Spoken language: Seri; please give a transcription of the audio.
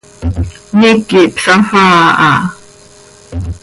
Miiqui hpsafaa aha.